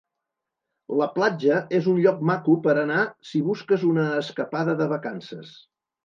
La Platja és un lloc maco per anar si busques una escapada de vacances.